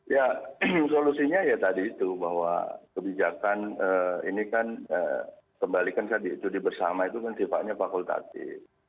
ya solusinya ya tadi itu bahwa kebijakan ini kan kembalikan ke di bersama itu sifatnya fakultasif